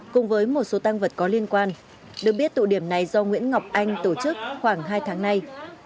cùng với một số tăng vật có liên quan được biết tụ điểm này do nguyễn ngọc anh tổ chức khoảng hai tháng nay